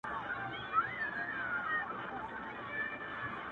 • زما په خيال هري انجلۍ ته گوره.